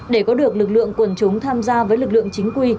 để có được lực lượng quần chúng tham gia với lực lượng chính quy